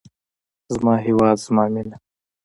زما هیواد زما مینه.